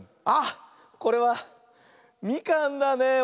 あっこれはみかんだね！